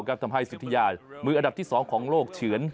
ทำให้สิทธิยายมืออันดับที่๒ของโลกเฉือน